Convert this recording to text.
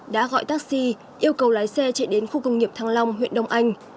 đã gọi taxi yêu cầu lái xe chạy đến khu công nghiệp thăng long huyện đông anh